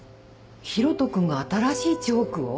広翔君が新しいチョークを？